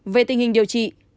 về tình hình điều trị